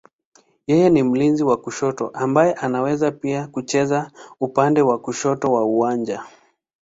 Yeye ni mlinzi wa kushoto ambaye anaweza pia kucheza upande wa kushoto wa uwanja.